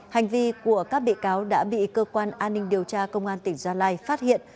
hành vi của các bị cáo đã bị cơ quan an ninh điều tra công an tỉnh gia lai phát hiện